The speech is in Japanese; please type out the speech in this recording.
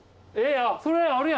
それあるやん